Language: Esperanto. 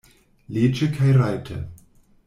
Leĝe kaj rajte.